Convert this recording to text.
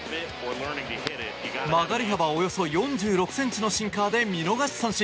曲がり幅およそ４６ｃｍのシンカーで見逃し三振。